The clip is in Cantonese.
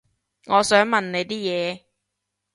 我想問你啲嘢